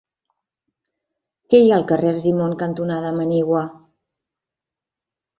Què hi ha al carrer Argimon cantonada Manigua?